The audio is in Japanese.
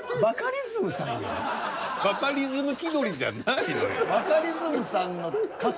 バカリズム気取りじゃないのよ。